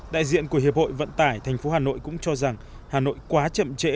đại diện của hiệp hội vận tải tp hà nội cũng cho rằng hà nội quá chậm trễ